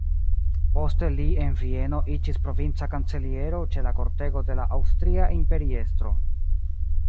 Poste li en Vieno iĝis provinca kanceliero ĉe la kortego de la aŭstria imperiestro.